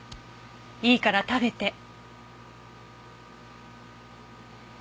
いいから食べて。